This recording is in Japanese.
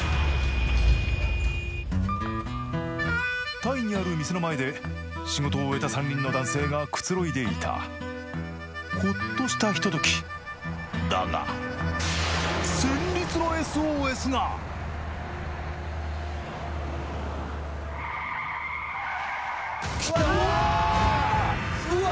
タイにある店の前で仕事を終えた３人の男性がくつろいでいたほっとしたひとときだがうわっ！